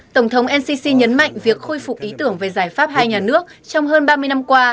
tổng thống ncc nhấn mạnh việc khôi phục ý tưởng về giải pháp hai nhà nước trong hơn ba mươi năm qua